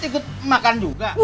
ikut makan juga